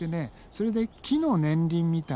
それで木の年輪みたいにさ。